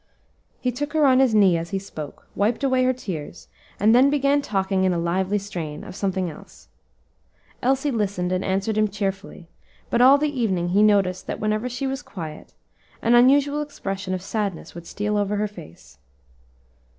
He took her on his knee as he spoke, wiped away her tears, and then began talking in a lively strain of something else. Elsie listened, and answered him cheerfully, but all the evening he noticed that whenever she was quiet, an unusual expression of sadness would steal over her face.